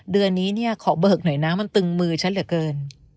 เดือนนี้เนี่ยขอเบิกหน่อยนะมันตึงมือฉันเหลือเกิน